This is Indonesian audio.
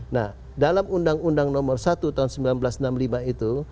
nah dalam undang undang nomor satu tahun seribu sembilan ratus enam puluh lima itu